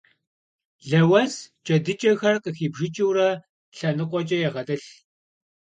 Лэуэс джэдыкӀэхэр къыхибжыкӀыурэ лъэныкъуэкӀэ егъэтӀылъ.